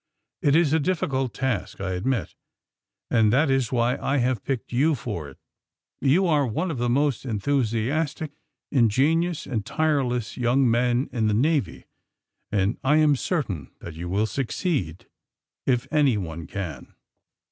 It is a difficult task, I admit, and that is why I have picked you for it. You are one of the most enthusiastic, in genious and tireless young men in the Navy, and I am certain that you will succeed if anyone can."